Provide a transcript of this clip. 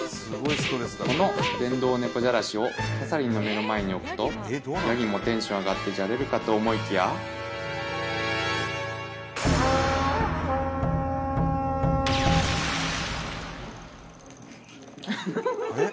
この電動猫じゃらしをキャサリンの目の前に置くとヤギもテンション上がってじゃれるかと思いきやあれ？